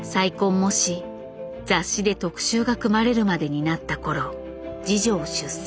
もし雑誌で特集が組まれるまでになった頃次女を出産。